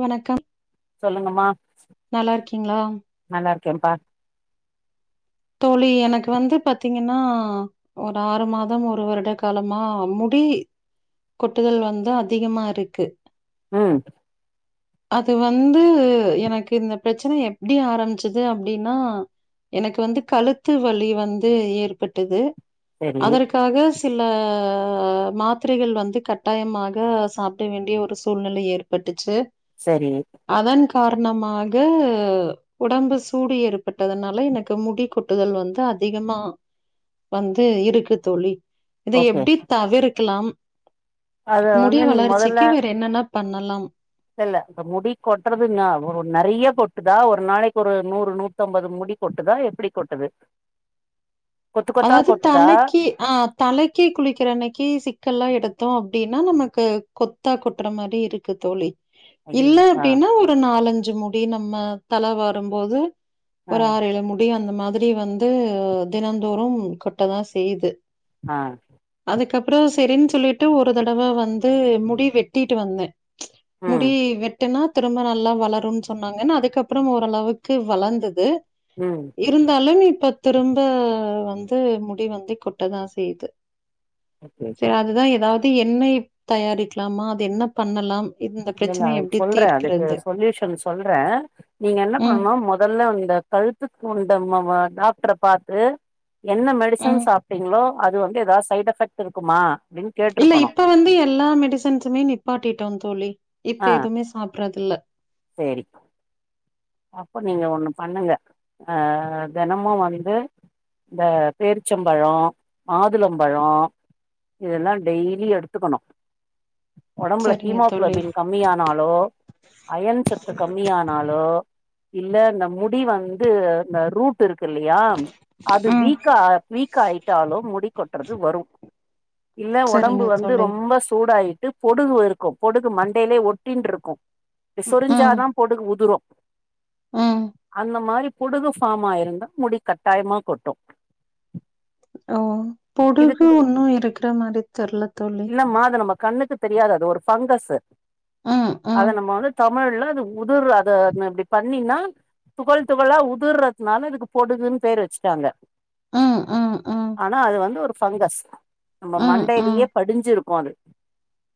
வணக்கம் சொல்லுங்கம்மா நல்லா இருக்கீங்களா நல்லா கெம்பா தோழி எனக்கு வந்து பாத்தீங்கன்னா ஒரு ஆறு மாதம் ஒரு வருட காலமா முடி கொட்டுதல் வந்து அதிகமா இருக்கு உம் அது வந்து எனக்கு இந்த பிரச்சனை எப்டி ஆரம்ச்சிது அப்டினா எனக்கு வந்து கழுத்து வலி வந்து ஏற்பட்டது சரி அதற்காக சில ஆ மாத்திரைகள் வந்து கட்டாயமாக சாப்ட்ட வேண்டிய ஒரு சூழ்நிலை ஏற்பட்டுச்சு செரி அதன் காரணமாக ஒடம்பு சூடு ஏற்பட்டதனால எனக்கு முடி கொட்டுதல் வந்து அதிகமா வந்து இருக்கு தோழி இது ஓகே எப்டி தவிர் கில்லாம் அத வந்து நீங் மொதல்ல என்னென்ன பண்ணலாம் இல்ல அப் முடி கொட்டறது நாலோ நெறைய கொட் ட்டுதா ஒரு நாளைக்கொரு நூறு நூத்தம்பது முடி கொட்டுதா எப்டி கொட்டுது கொத்து கொத்தா அதாவது கொட்டுதா தலைக்கு ஆஹ் தலைக்கி குளிக்கிற அன்னைக்கு சிக்கல்லா எடுத்தோ அப்டின் னா நமக்கு கொத்தா கொட்டுற மாரி இருக்கு தோழி இல்ல ஐயையோ ஆ அப்டின்னா ஒரு நாலஞ்சு முடி டி நம்ம தல வாரும்போது ஆ ஒரு ஆறு ஏழு முடி அ ந்த மாரி வந்து தினம் தோறும் கொட்ட தா செய்யுது ஆஹ் அதுக்கப்புற சரின்னு சொல்லிட்டு ஒரு தடவ வந்து முடி வெட்டிட்டு வந்தே முடி ம் வெட்டனா திரும்ப நல்லா வளரும்ன் சொன்னாங்கன் அதுக்கப்புற ஓரளவுக்கு வளந்தது ம் இருந்தாலு இப் ப திரும்ப வந்து முடி வந்து கொட்டதா செய்து ஓகே சரி அதுதா ஏதாவ இது எண்ணெய் தயாரிக்லாமா அது என்ன பண்ணலாம் இந்த இல்ல இல்ல பிரச்சனைய எப்படி சொல்றே அதுக்கு தீர்க்கிறது? சொல்யூஷன் சொல்றே நீங்க என்ன ம், பண்ணனு முதல்ல இந்த கழுத்துக்கு உண்டமவா தா [unintelligible] பாத்து என்ன மெடிசன் ம். சாப்பிட்டீங்ளோ அது வந்து எதாவது சைட் எஃபெக்ட் இருக்குமா அப்டின்னு இல்ல கேட்ருக்கணு இப்ப வந்து எல்லா மெடிசன்ஸமே நிப்பாட்டிட்டோ தோழி இப்ப ஆ எதுவுமே சாப்டறது இல்ல சேரி அப்ப நீங்க ஒண்ணு பண்ணுங்க அஹ் தெனமு வந்து இந்த பேரிச்சம்பழோ மாதுளம்பழோ இதெல்லா டெய்லி எடுத்துக்கணு ஒடம்புல சரிங்க தோழி. ஹீமோகுளோபின் கம்மியானாலோ அயன் சத்து கம்மியானாலோ இல்லே இந்த முடி வந்து இந்த ரூட் ருக்கு இல்லியா அது ம். வீக்கா வீக்கா ஆயிட்டாலும் முடி கொட்றது வரு இல்ல ஒடம்பு சரிங்க வந்து தோழி. ரொம்போ சூடாயி ட்டு பொடுகு இருக்கு பொடுகு மண்டேலே ஒட்டின்டுருக்கு ம், ம். சொரிஞ்சாதா பொடுகு உதுரு ம் அந்த மாரி பொடுகு ஃபாமாயிருந்தா முடி கட்டாயமா கொட்டு ஓ இதுக்கு பொடுகு முடி ஒன்னு இருக்கிற மாரி தெர்ல தோழி இல்லம்மா அது நம்ம கண்ணுக்கு தெரியாது அது ஒரு ஃபங்கஸ்ஸு ம் ம் தமிழ்ல அது உதிர்ர அதனா அப்டி பண்ணினா துகள் துகழா உதர்றத்னால இதுக்கு பொடுகுன் பேரு வெச்ட்டாங்க ம் ம் ம் ஒரு ஃபங்கஸ் நம்ம ம் மண்டைலியே ம் படிஞ்சிரு போது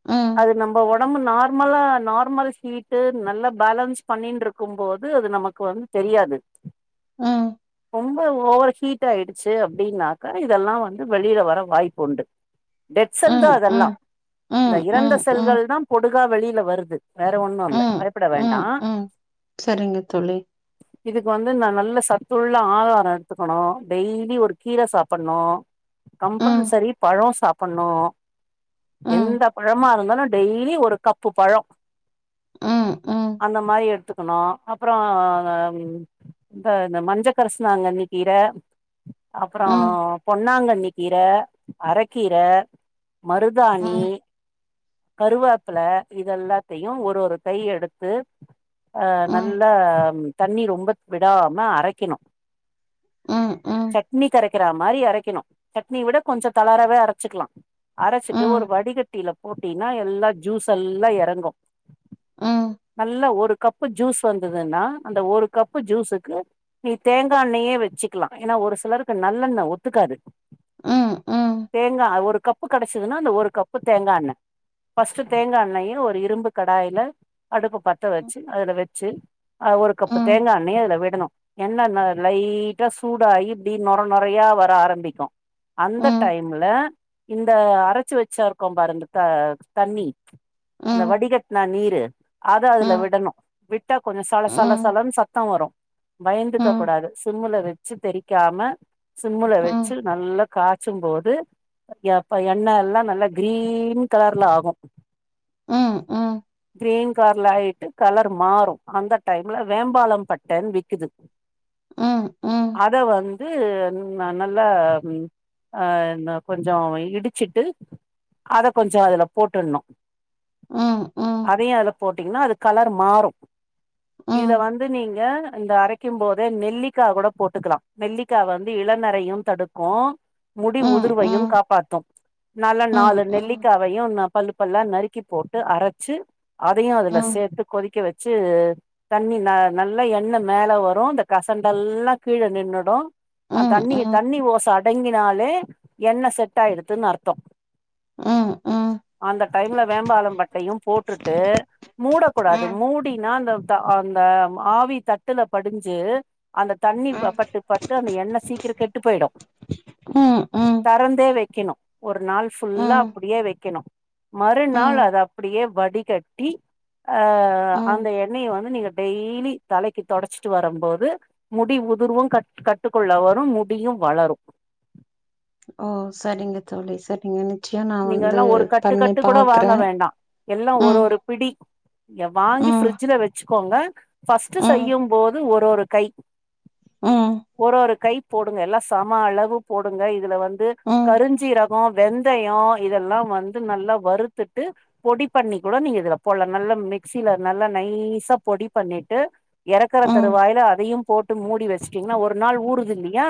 ம் அது நம்ப உட நம்ம நார்மலா நார்மல் சீட்டு நல்லா பேலன்ஸ் பண்ணின்டுருக் க்கும்போது அது நமக்கு வந் தெரியாது ம் ரொம்போ ஓவர் ஹீட் ஆயிடுச்சு அப்டின்னாக்கா இதெல்லா வந்து வெளில வர வாய்ப்புண்டு டெட் செல் தா ம் ம் அதெல்லா இந்த ம் இறந்த ம் ம் செல்கள் தா போட் டுகா வெளில வருது வேற ஒண்ணுல்ல ம் பயப்பட வேண்டா ம் ம் சரிங்க தோழி இதுக்கு வந்து நா நல்ல சத்துள்ள ஆகார எடுத்துகணு டெய்லீ ஒரு கீர சாப்புன்னு ம் கம்பல்சரி பழோ சாப்புன்னு ம் எந்த பழமாருந்தாலு டெய்லீ ஒரு கப்பு பழொ ம் ம் ம் அந்த மாரி எ குனு அப்றோ இந்த இந்த மஞ்ச கரிசிலாங்கண்ணி கீர அப்புறோ ம் பொன்னாங்கண்ணி கீர அறக்கீர மருதாணி ம் கருவேப்பில இதெல்லாத்தையு ஒரு ஒரு கை எடுத்து அ ம் நல்லா தண்ணி ரொம்ப விடாம அரைக்கனு ம் ம் ம் சட்னிக்கு கரெக் ரக்கிற மாரி அரைக்கனு சட்னி விட கொஞ்சோ தளரவே அரச்சுிக்கலா அரச்சிட்டு ஒரு ம் ம் வடிகட்டில போட்டினா எல்லாம் ஜூஸ் எல்லா எறங்கு ம் நல்ல ஒரு கப்பு ஜூஸ் வந்ததுன்னா அந்த ஒரு கப்பு ஜூஸ்க்கு நீ தேங்காய் எண்ணயே வச்சுக்கலா ஏனா ஒரு சிலருக்கு நல்லெண்ண ஒத்துக்காது ம் ம் தேங்கா ஒரு கப்பு கெடச்சதுன்னா அந்த ஒரு கப்பு தேங்கா எண்ணெ ஃபஸ்ட் தேங்கா எண்ணெய ஒரு இரும்பு கடாயல அடுப்பு பத்த வ சி அதுல வச்சி ஆ ஒரு ம் கப்பு தேங்காய் எண்ணய அதுல விடணும் என்னன்ன லைட்டா சூடாநகிடி நொர நொறையா வர ஆரம்பிக்கும் ம் ம் அந்த ம் டைம்ல இந்த அரச்சு வச்சா இருக்கோ பாரு இந்த த தண்ணி ம் ம் அந்த ம் வடிகட்டன நீரு அத அதுல விட்டா கொஞ்ச சள சள ம் சளன்னு சத்த வரு பயந்துக்க கூடாது சிம்ல வச்சு தெறிக்காம சிம்ல வச்சு நல்லா காச்சும்போது யப்ப எண்ண எல்லா நல்லா கிரீன் கலர்ல ஆகு கிரீன் கலர் ஆயிட் கலர் மாறு அந்த டைம்ல வேம்பாலம் பட்டன்னு விக்குது அத வந்து ந நல்லா ம் ஆஹ் இந்த கொஞ்சோ இடிச்சுட்டு அத கொஞ்சோ அதுல போட்டுட்ணு அதயு அதுல போட்டீங்ன்னா அது கலர் மாறு ம் இதுல ம் வந்து நீங் க இந்த அரைக்கும் போதே நெல்லிக்கா கூட போட்டுக்கலா நெல்லிக்கா வந்து இளநறையும் தடுக்கு முடி ம் உதிர்வையு ம் காப்பாத்தும் நல்ல நாலு ம் ம் நெல்லிக்காவயு ந பல்லு பல்லா நறுக் க்கி போட்டு அரச்சு அதையு அதுல ம் சேத் கொதிக்க வச்சு தண்ணி ந நல்லா எண்ணெ மேல வரு இந்த கசண்டெல்லா கீழே நின்னுடு ம் தண்ணி ம் ம் தண்ணி ஓச அடங்கின் னாலே என்ன செட் ஆயிடுத்துன்னு அர்த்தம் ம் ம் அந்த டைம்ல வேம்பாலம் பட்டையு போட்டுட்டு மூட கூடாது ம் மூடினா அந்த த அந்த ஆவி தட்டுல படிஞ்சு அந்த தண்ணி ம் பட்டு பட்டு அந்த எண்ணெ சீக்கிரோ கெட்டு போயிடு உம் உம் தே வைக்கணு ஒரு நாள் ஃபுல்லா அப்படியே வைக்கணு மறுநாள் ம் அத அப்படியே வடிகட்டி அஹ் ம் அந்த எண்ணெய வந்து நீங்க டெய்லி தலைக்கு தொடடைச்சிட்டு வரும்போது முடி உதிர்வு கட் கட்டுக்குள்ள வரு முடியு வளரு ஓ செரிங்க தோழி செரிங்க நீங்க எல்லா ஒரு கட்டு கட்டு கூட வாங்க வேண்டா எல்லா ஒரு ம் ஒரு பிடி நீங்க வாங்கி ம் ஃப்ரிட்ஜில வச்சு க்கோங்கா ஃபர்ஸ்ட்டு ம் செய்யு போது ஒரு ஒரு கை ம் ஒரு ஒரு கை போடுங்க எல்லா சம அளவு போடுங்க இதுல வந் து ம் கருஞ்சீரகோ வெந்த யோ இதெல்லா வந்து நல்லா வருத்துட்டு பொடி பண்ணி கூட நீங்க இதல போட்லா நல்லா மிக்சில நல்லா நைசா பொடி பண்ணிட்டு இறக்கற ம் தருவாயில அதையும் போட்டு மூடி வச்சுட்டீங்கன்னா ஒரு நாள் ஊருது இல்லையா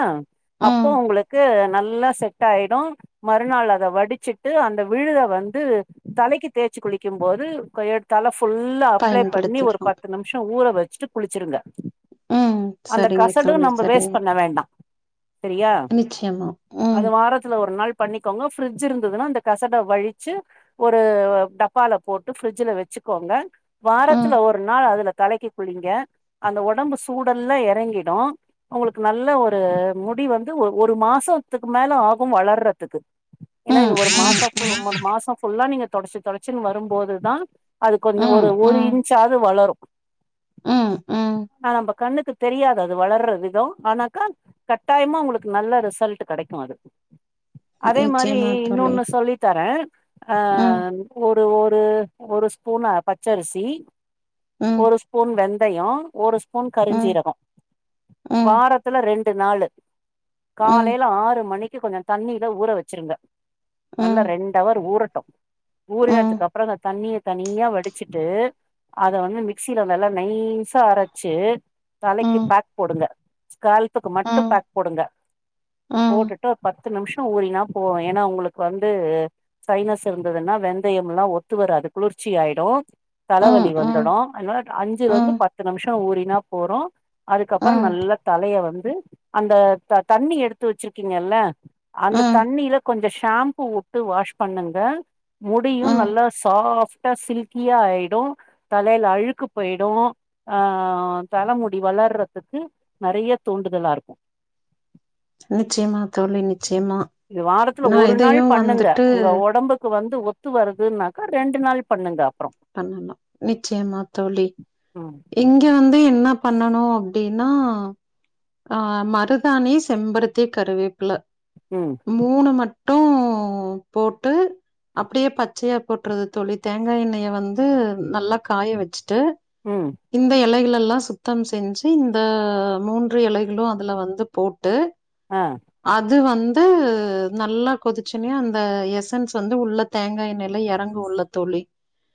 அப்போ ம் உங்களுக்கு நல்லா செட் ஆயிடு மறுநாள் அத வ டிச்சிட்டு அந்த விழுத வந்து தலைக்கு தேச்சி குளிக்கும்போது கொயட் தல ஃபுல்லா அப்ளே பண்ணி ஒரு பயன்படுத்திக்லா பத்து நிம்ஷம் ஊர வச்சிட்டு குளிச்சிருங்க ம் அந்த சரிங்க கசடு தோழி நம்ம சரிங்க வேஸ் பண்ண வேண்டா செரியா நிச்சயமா ம் அது வாரத்துல ஒரு நாள் பண்ணிக்கோங்க ஃப்ரி ட்ஜ் இருந்ததுன்னா அந்த கசட வழிச்சு ஒரு டப்பால போட்டு ஃபிரிட்ஜ்ல வச்சுக்கோங்க வாரத்துல ம் ஒரு நாள் அதுல தலைக்கு குளிங்க அந்த ஒடம்பு சூடெல்லா இறங்கிடும் உங்களுக்கு நல்ல ஒரு முடி வந்து ஒ ஒரு மாசத்துக்கு மேல ஆகு வளர்றதுக்கு ஏனா இது ம் ஒரு மாசம் ஃபுல் ம் ஒரு மாசோ ஃபுல்லா நீங்க தொடச்சி தொடச்சுன் வரும்போதுதா அது கொஞ்ச ம் ஒரு ஒரு ம் இன்ச்சாவது வளரு ம் ம் ஆ ப கண்ணுக்கு தெரியாது அது வளர்ற வித ஆனாக்கா கட்டாயமா உங்களுக்கு நல்ல ரிசல்டு கிடைக்கு அது அதே மா ரி நிச்சயமா தோழி இன்னொன்னு சொல்லி தரே ம் ஆஹ் ஒ ரு ஒரு ஒரு ஸ்பூன்ன பச்சரிசி ம் ஒரு ஸ்பூன் வெந் தையோ ஒரு ஸ்பூன் ம் கருஞ்சீரகோ ம் வாரத்துல ரெண் டு நாளு ம் காலைல ஆறு மணி க்கு கொஞ்ச தண்ணில ஊற வெச்சுருங்க நல்லா ம் ரெண்டவர் ஊரட் டு ம் ஊறுனத்துக்கப்புறோ அந்த தண்ணிய தனியா வடிச்சிட்டு அத வந்து மிக்சியில நல்லா நைசா அரச்சு தலைக்கு ம் பேக் போடுங்க கால்த்துக்கு மட்டு ம் பேக் போடுங்க ம் போட்டுட்டு ஒரு பத் து நிமிஷோ ஊறினா போவே ஏனா உங்களுக்கு வந்து சைனஸ் இருந்ததுன்னா வெந்தயம் எல்லா ஒத்து வராது குளிர்ச்சி ஆயிடு ம் ம் தலைவலி வந்துடு அதனால அஞ்சுல இருந்து ம் பத்து நிமிஷோ ஊறி ன்ன போறு அதுக்கப்புறோ ம் நல்லா தலைய வந் ந்து அந்த த தண்ணி எடுத்து வெச்சுருக்கீங்கல்ல அந்த ம் தண்ணிலப் கொஞ்ச ஷாம்பூ வுட்டு வாஷ் பண்ணுங்க முடியு ம் நல்லா சாஃப்டா சில்கியா ஆயிடு தலையில அழுக்கு போயிடு அ தலமுடி வளர்றதுக்கு நெறைய தூண்டுதலா இருக்கு நிச்சியமா தோழி இன்னிக் இது வாரத்துல ஒரு நாள் பண்ணுங்க வந்துட்டு உங்க ஒடம்புக்கு வந் து ஒத்து வருதுன்னுக்கா ரெண்டு நாள் பண்ணுங்க அப்புறோ பண்ணணு நிச்சியமா தோழி ம் இங்க வந்து என் என்ன பண்ணணு அப்டின்னா ஆ மருதானி செம்பருத்தி கருவேப்புல ம் மூணு மட் டு போட்டு அப்பிடியே பச்சையா போட்டறது தோழி தேங்கா எண்ணெய வந்து நல்லா காய வெச்சுட்டு ம் இந்த இலைகளலெல்லா சுத்தம் செஞ்சி இந்த மூன்று இலைகளு அதுல வந்து போட்டு ஆ இது வந்து நல்லா கொதிச்சுனியா அந்த எசன்ஸ் வந்து உள்ள தேங்கா எண்ணெயில எறங்குள்ள தோழி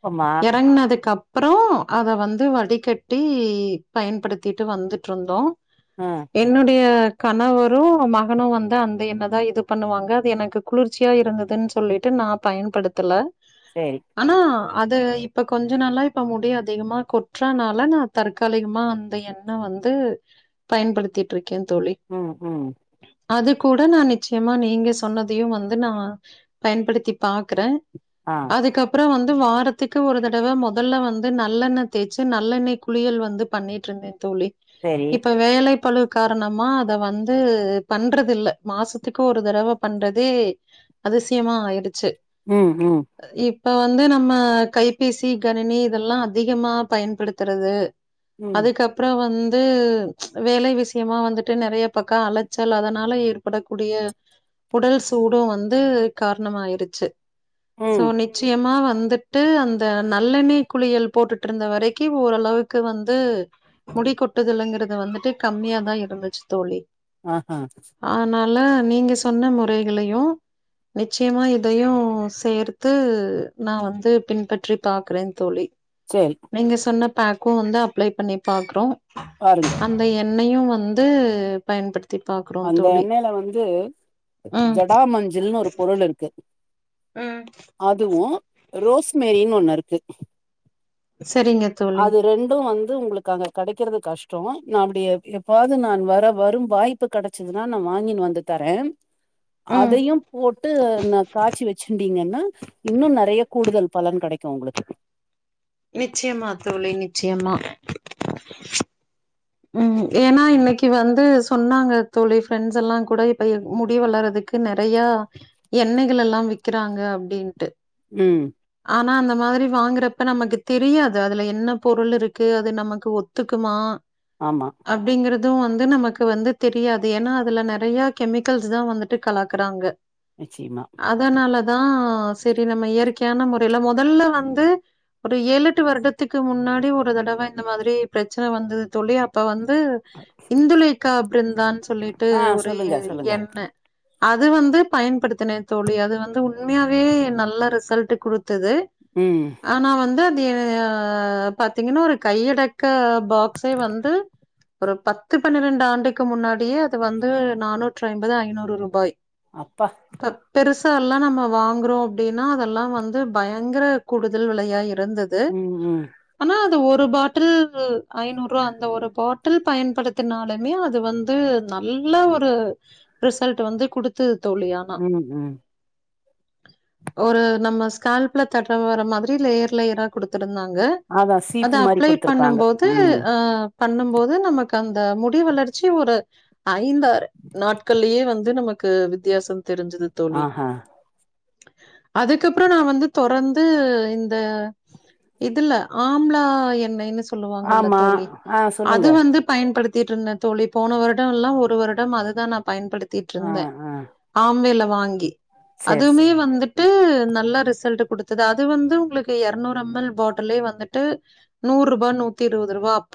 ஆமா எறங்குனதுக்கப் அப்புறோ அத வந்து வ டி கட்டி பயன்படுத்திட்டு வந்துட்டு இருந்தோ ஆ என்னுடைய கணவரு மகனு வந்து அந்த எண்ணெதா இது பண்ணுவாங்க அது எனக்கு குளுர்ச்சியா இருந்ததுன் சொல்லிட்டு நா பயன்படுத்தல சேரி ஆனா அத இப்ப கொஞ்ச நாளா இப்ப முடி அதிகமா கொட் ற்றனால நா தற்காலிகமா அந்த எண்ணெ வந்து பயன்படுத்திட்டு இருக் கே தோழி ம் ம் அது கூட நா நிச்சயமா நீங்க சொன்னதையு வந்து நா பயன்படுத்தி பாக் கறே ஆ அதுக்கப்புற வந் வாரத்துக்கு ஒரு தடவ மொதல்ல வந்து நல்லெண்ண தேச்சு நல்லெண்ணெ குளியல் வந்து பண்ணிட்டு இருந்தே தோழி சேரி இப்ப வேலை பழு காரணமா அத வந்து பண்றது இல்ல மாசத்துக்கு ஒரு தடவ பண்றதே அதிசயமா ஆயிடுச்சு ம் ம் இப்ப வந்து நம்ம கைபேசி கணினி இதெல்லா அதிகமாப் பயன்படுத்துறது ம் அதுக்கப்புற வந் து வந்து வேலை விஷியமா வந்துட்டு நெறைய பக்க அலச்சல் அதனால ஏற்படக்கூடிய உடல் சூடும் வந்து காரண ஆயிடுச்சு சோ ம் நிச்சயமா வந்துட் ட்டு அந்த நல்லெண்ணை குளியல் போட்டுட் டுருந்த வரைக்கு ஓரளவுக்கு வந்து முடி கொட்டதுல்லங்கிற இது வந்துட்டு கம்மியா தா இருந்துச்சு தோழி ஆ ஹ நல்ல நீங்க சொன்ன முறைகளையு நிச்சயமா இதையு சேர்த்து நா வந்து பின்பற்றி பாக்கறே தோழி சேரி நீங்கள் சொன்ன பேக்கு வந்து அப்ளை பண்ணி பாக்கறோ பாருங்கோ என்னயு வந்து பயன்படுத் அந்த எண்ணெயில வந்து ம். ஜடா மஞ்சள்னு ஒரு பொருள் இருக்கு ம். அதுவு ரோஸ்மேரி இன்னொன்னு இருக்கு சரிங்க தோழி. அது ரெண்டு வந்து உங்களுக்கு அங்க கெடைக்கிறது கஷ் டோ நா அப்டி எப்பாவது நா வர வரும் வாய்ப்பு கெடைச்சதுன்னா நா வாங்கின்னு வந்து தரே ம். அதையு போட்டு நா காச்சி வச்சுன் ங்கன்னா இன்னு நெறைய கூடுதல் பலன் கெடைக்கு உங்களுக்கு நிச்சயமா தோழி நிச்சயமா உம் ஏன்னா இன்னைக்கு வந்து சொன்னாங்க தோழி ஃப்ரெண்ட்ஸ் எல்லா கூட இப்ப முடி வளரதுக்கு நெறையா எண்ணெய்கள் எல்லா விக்கிறாங்க அப்படின்டு உம் னா அந்த மாரி வாங்குறப்ப நமக்கு தெரியாது அதுல என்ன பொருள் இருக்கு அது நமக்கு ஒத்துக்குமா ஆமா அப்டிங்கறத் துவு வந்து நமக்கு வந்து தெரியாது ஏன்னா அதுல நெறைய கெமிக்கல்ஸ் தா வந்துட்டு கலக்குறாங்க நிச்சயமா அதனாலதா ஆ சரி நம்ம இயற்கையான முறையில மொதல்ல வந்து ஒரு ஏழு எட்டு வருடத்துக்கு முன்னாடி ஒரு தடவை இந்த மாதிரி பிரச்சனை வந்தது சொல்லி அப்ப வந் ந்து இந்துலேக்கா பிர்ங்கானு சொல்லிட்டு ஆ ஒரு சொல்லுங்க சொல்லுங்க எண்ணெ அது வந்து பயன்படுத்தினே தோழி அது வந்து உண்மையாவே நல்ல ரிசல்ட் குடுத் - தது ம் ஆனா வந்து தி ஆ பாத்தீங்கன்னா ஒரு கையடக்க பாட் சோ வந்து ஒரு பத்து பன்னிரெண்டு ஆண்டுக்கு முன்னாடியே அது வந்து நானூற்றி ஐம்பது ஐநூறு ரூபாய் அப்பா மத்தாலா நம்ம வாங்குறோ அப்டின்னா அதெல்லா வந்து பயங்கர கூடுதல் விலையாய் இருந்தது ம் ம் ஆனா அது ஒரு ஒரு பாட்டில் ஐநூறு ரூவா அந்த ஒரு பாட்டில் பயன்படுத்தினாலுமே அது வந்து நல்ல ஒரு ரிசல்ட் வந்து குடுத்து தோழியானா ம் ம் ஒரு நம்ம கால்புல தட்டுற வர மாதிரி லேயர் லேயரா குடுத்துட்டுருந்தோ க அதா அத சீப்பு மாரி அப்ளை குடுத்துருப்பாங்க பண்ணும்போது து ம் ஆ பண்ணும் போது நமக்கு அந்த முடி வளர்ச்சி ஒரு ஐந்தாறு நாட்கள்லயே வந்து நமக்கு வித்தியாசம் தெரிஞ்சது தோழி. ஆஹா அதுக்கப்புற நா வந்து தொடர்ந்து இந்த இதுல ஆம்லா எண்ணெய்னு சொல் அல்ல ஆமா தோழி ஆ அது சொல்லுங்க வந்து பயன்படுத் திட்டுருந்த தோழி போன வருடம் எல்லா ஒரு வருட அதுதா பயன்படுத்திட்டு ஆ இருந்தே ஆ ஆம்வேல வாங்கி. சேரி சேரி அதுமே வந்துட்டு நல்ல ரிசல்ட் குடுத்தது. அது வந்து உங்களுக்கு எரநூறு எம் எல் பாட்டிலே வந்துட்டு நூறு ரூபா நூத் தி இருவதுரூபா அப்ப